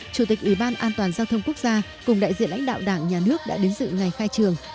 chủ tịch ủy ban an toàn giao thông quốc gia cùng đại diện lãnh đạo đảng nhà nước đã đến dự ngày khai trường